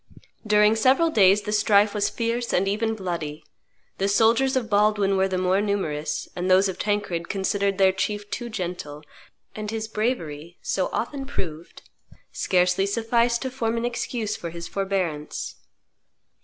During several days the strife was fierce and even bloody; the soldiers of Baldwin were the more numerous, and those of Tancred considered their chief too gentle, and his bravery, so often proved, scarcely sufficed to form an excuse for his forbearance.